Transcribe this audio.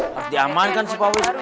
harus diamankan si pak wicak